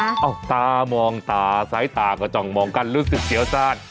อ้าวตามองตาสายตาก็จ่องมองกันรู้สึกเกียวซาด